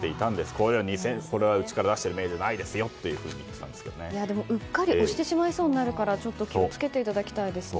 このメールはうちから出しているメールじゃうっかり押してしまいそうになるから気を付けていただきたいですね。